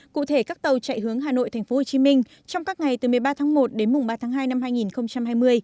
cụ thể các tàu chạy hướng hà nội tp hcm trong các ngày từ một mươi ba tháng một đến mùng ba tháng hai năm hai nghìn hai mươi